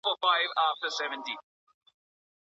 د پوهني نظام د راتلونکي لپاره څه تمه کېدای سي؟